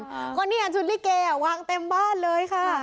เพราะนี่ชุดลิเกวางเต็มบ้านเลยค่ะ